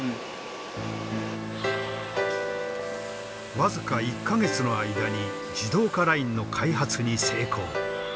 僅か１か月の間に自動化ラインの開発に成功。